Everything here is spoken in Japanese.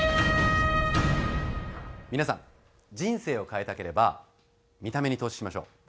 皆さん人生を変えたければ見た目に投資しましょう。